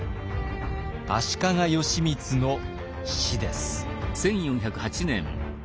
足利義満の死です。